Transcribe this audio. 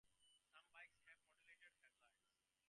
Some bikes have modulated headlights.